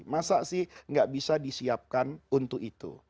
masa sih nggak bisa disiapkan untuk itu